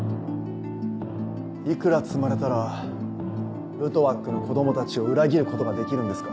幾ら積まれたらルトワックの子供たちを裏切ることができるんですか。